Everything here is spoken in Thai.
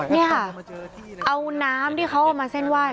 นี่ค่ะเอาน้ำที่เขาเอามาเส้นไหว้